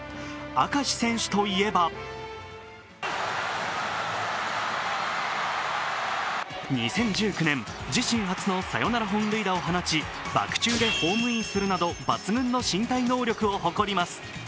明石選手といえば２０１９年、自身初のサヨナラ本塁打を放ち、バク宙でホームインするなど抜群の身体能力を誇ります。